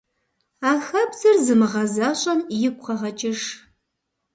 А хабзэр зымыгъэзащӀэм игу къэгъэкӀыж.